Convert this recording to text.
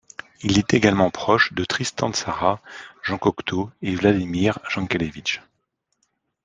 Il est également proche de Tristan Tzara, Jean Cocteau et Vladimir Jankelevitch.